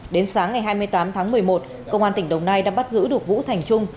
đến sáng ngày hai mươi tám tháng một mươi một công an tỉnh đồng nai đã bắt giữ được vũ thành trung